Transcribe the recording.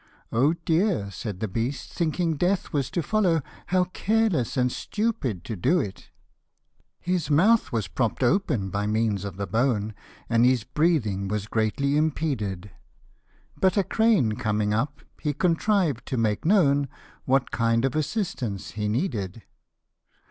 Oh dear!" said the beast, thinking death was to follow, " How careless and stupid to do it !" p. 61. Tlie Two C at s. The Wolf & the Crane. 63 His mouth was propp'd open by means of the bone, And his breathing was greatly impeded ; But a crane coming up, he contrived to make known What kind of assistance he needed.